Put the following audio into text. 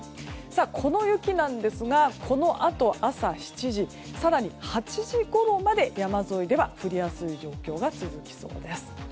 この雪なんですがこのあと朝７時更に８時ごろまで、山沿いでは降りやすい状況が続きそうです。